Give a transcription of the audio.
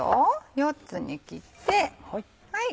４つに切って。